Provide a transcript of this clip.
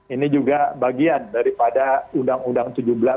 ini juga bagian daripada undang undang tujuh belas dua ribu empat belas